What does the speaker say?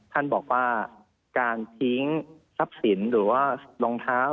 ท่านบอกว่าการทิ้งทรัพย์สินหรือว่ารองเท้า